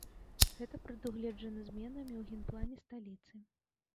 Гэта прадугледжана зменамі ў генплане сталіцы.